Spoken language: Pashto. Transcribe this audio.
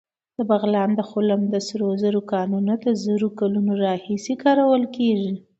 د بغلان د خلم د سرو زرو کانونه د زرو کلونو راهیسې کارول کېږي